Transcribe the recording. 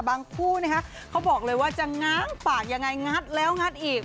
คู่นะคะเขาบอกเลยว่าจะง้างปากยังไงงัดแล้วงัดอีก